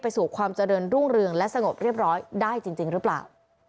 สู่ความเจริญรุ่งเรืองและสงบเรียบร้อยได้จริงหรือเปล่า